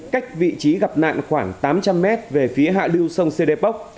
cách vị trí gặp nạn khoảng tám trăm linh mét về phía hạ lưu sông sê đê pốc